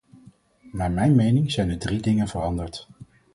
Naar mijn mening zijn er drie dingen veranderd.